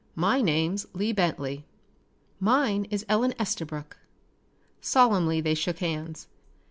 My name's Lee Bentley." "Mine is Ellen Estabrook." Solemnly they shook hands.